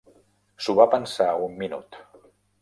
S'ho va pensar un minut.